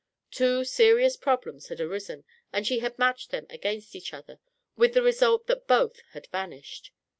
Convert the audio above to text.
Two serious problems had arisen and she had matched them against each other with the result that both had vanished.